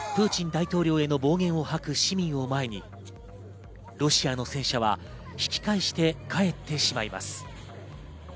武器も持たずにプーチン大統領への暴言を吐く市民を前に、ロシアの戦車は引き返して帰ってしまいます。